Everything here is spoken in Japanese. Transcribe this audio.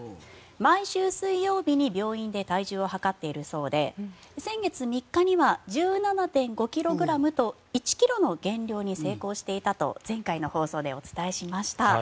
毎週水曜日に病院で体重を量っているそうで先月３日には１７．５ｋｇと１ｋｇの減量に成功していたと前回の放送でお伝えしていました。